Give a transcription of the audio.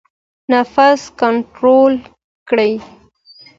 نفس کنټرول کړئ